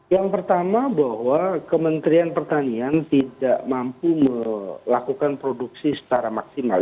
yang pertama bahwa kementerian pertanian tidak mampu melakukan produksi secara maksimal